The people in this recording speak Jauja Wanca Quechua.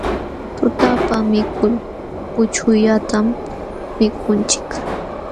Tutapa mikul puchullatañam mikunchik.